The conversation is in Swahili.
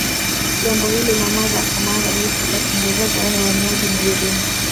Jambo hili la mara kwa mara huitwa kwa Kiingereza yaani uhamiaji mviringo